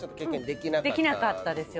できなかったですよね。